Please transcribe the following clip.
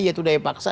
yaitu daya paksa